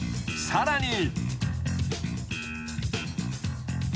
［さらに］